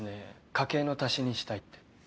家計の足しにしたいって。